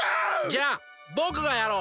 じゃあぼくがやろう！